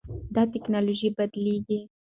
دا ټکنالوژي بدلېږي.